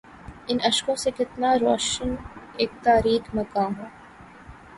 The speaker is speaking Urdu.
ان اشکوں سے کتنا روشن اک تاریک مکان ہو